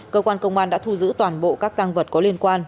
cơ quan công an đã thu giữ toàn bộ các tăng vật có liên quan